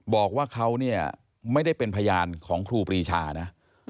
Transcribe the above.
บอกว่าเขาเนี่ยไม่ได้เป็นพยานของครูปรีชานะ